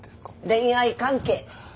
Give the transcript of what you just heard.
恋愛関係。